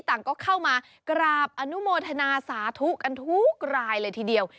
ต่างก็เข้ามากราบอนุโมทนาสาธุกันทุกรายเลยทีเดียว